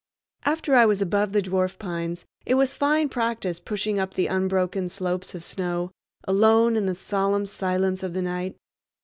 After I was above the dwarf pines, it was fine practice pushing up the broad unbroken slopes of snow, alone in the solemn silence of the night.